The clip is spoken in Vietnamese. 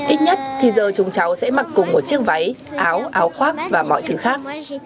ít nhất thì giờ chúng cháu sẽ mặc cùng một chiếc váy áo áo khoác và mọi thứ khác